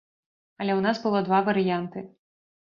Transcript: Але ў нас было два варыянты.